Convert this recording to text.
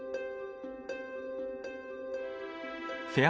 フェア